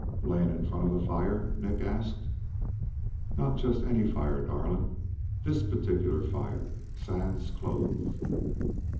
"Laying in front of a fire?" Nick asked. "Not just any fire, darling. This particular fire, sans clothes."